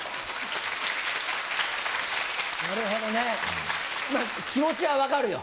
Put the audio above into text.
なるほどねまぁ気持ちは分かるよ。